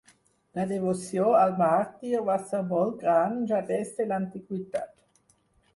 La devoció al màrtir va ser molt gran ja des de l'antiguitat.